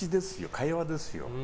会話ですよ。